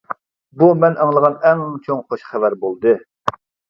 بۇ مەن ئاڭلىغان ئەڭ چوڭ خوش خەۋەر بولدى.